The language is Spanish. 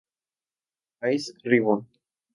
Ice Ribbon